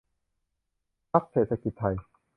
พรรคเศรษฐกิจไทย